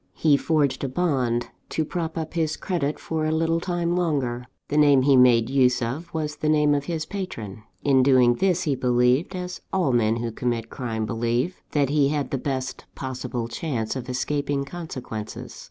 "He forged a bond, to prop up his credit for a little time longer. The name he made use of was the name of his patron. In doing this, he believed as all men who commit crime believe that he had the best possible chance of escaping consequences.